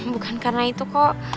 bukan karena itu kok